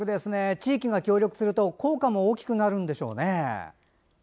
地域が協力すると効果も大きくなるんでしょうね。